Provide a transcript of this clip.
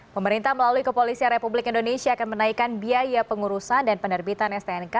pemerintah melalui kepolisian republik indonesia akan menaikkan biaya pengurusan dan penerbitan stnk